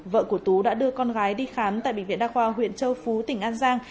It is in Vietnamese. vợ của tú đã đưa con gái đi khám tại bệnh viện đa khoa huyện châu phú tỉnh an giang